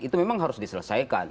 itu memang harus diselesaikan